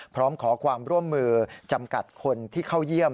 พร้อมขอความร่วมมือจำกัดคนที่เข้าเยี่ยม